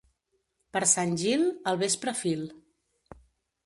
Per Sant Gil, al vespre fil.